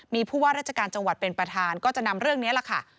มีผู้ว่าราชการจังหวัดเป็นประธานก็จะนำเรื่องนี้ล่ะค่ะ